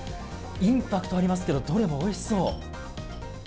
インパクトがありますけど、どれもおいしそう！